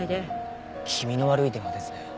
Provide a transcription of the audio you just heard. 気味の悪い電話ですね。